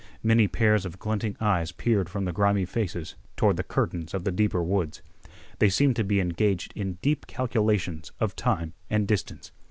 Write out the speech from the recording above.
Many pairs of glinting eyes peered from the grimy faces toward the curtains of the deeper woods. They seemed to be engaged in deep calculations of time and distance.